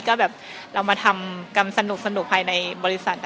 ก็แบบเรามาทำกรรมสนุกภายในบริษัท